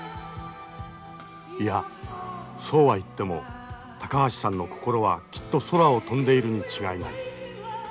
いやそうは言っても高橋さんの心はきっと空を飛んでいるに違いない。